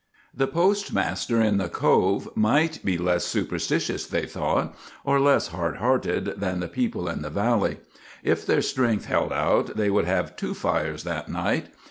The postmaster in the Cove might be less superstitious, they thought, or less hard hearted than the people in the valley. If their strength held out they would have two fires that night.